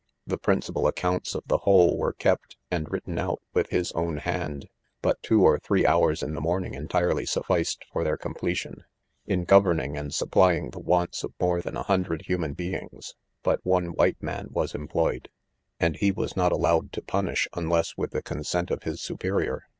The principal accounts of the whole were kept, and written out, with his own hand 5 but two or three hours in the morning entire ly sufficed for their completion. ■In governing; ; an& supply mgi the wants of more than a hundred human beings, but one white man was employed ; and he was not al lowed to punish,; unless with the consent; of his superior.